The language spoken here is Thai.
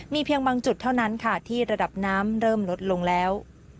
เพียงบางจุดเท่านั้นค่ะที่ระดับน้ำเริ่มลดลงแล้ว